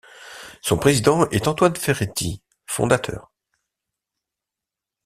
Son président est Antoine Ferretti, fondateur.